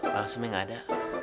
baksimnya gak ada